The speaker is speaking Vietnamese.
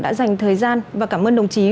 đã dành thời gian và cảm ơn đồng chí